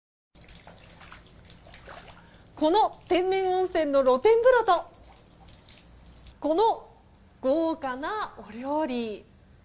この天然温泉の露天風呂とこの豪華なお料理。